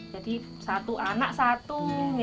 jadi satu anak satu